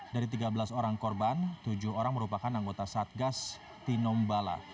dari tiga belas orang korban tujuh orang merupakan anggota satgas tinombala